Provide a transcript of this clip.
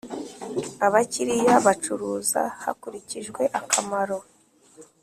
abakiliya bacuruza hakurikijwe akamaro.